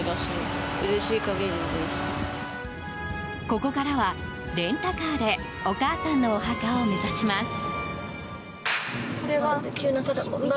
ここからは、レンタカーでお母さんのお墓を目指します。